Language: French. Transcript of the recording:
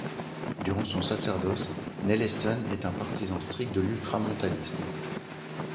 Durant son sacerdoce, Nellessen est un partisan strict de l'ultramontanisme.